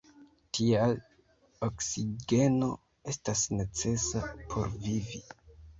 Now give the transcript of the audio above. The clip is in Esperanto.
Tial, oksigeno estas necesa por vivi.